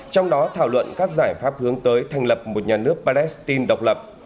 trong đó thảo luận các giải pháp hướng tới thành lập một nhà nước palestine độc lập